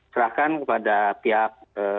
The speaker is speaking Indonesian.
serahkan kepada pihak